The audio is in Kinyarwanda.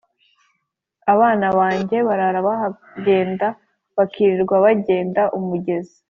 Abana banjye barara bagenda, bakirirwa bagenda.-Umugezi